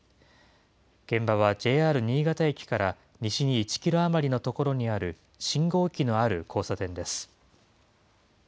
現場はＪＲ新潟駅から西に１キロ余りの所にある信号機のある交差点です。